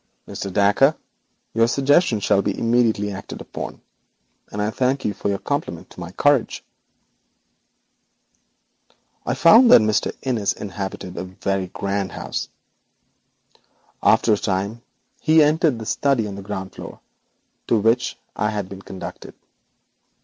'Mr. Dacre, your suggestion shall be immediately acted upon, and I thank you for your compliment to my courage.' I found that Mr. Innis inhabited a very grand house. After a time he entered the study on the ground floor, to which I had been conducted.